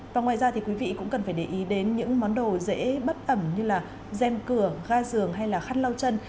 và ngoài ra thì quý vị cũng cần phải để ý đến những món đồ dễ bất ẩm như là gem cửa ga giường hay là khăn lau chân